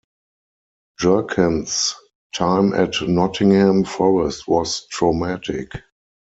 Jerkan's time at Nottingham Forest was traumatic.